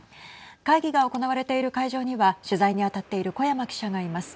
会議が行われている会場には取材に当たっている古山記者がいます。